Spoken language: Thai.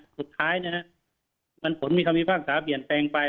สุดท้ายมันผลมีความมีภาคสาวเปลี่ยนแปลงไป